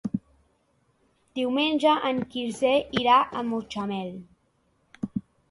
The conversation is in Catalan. Diumenge en Quirze irà a Mutxamel.